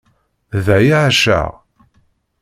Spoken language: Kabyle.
Da i εaceɣ.